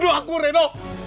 bunuh aku reno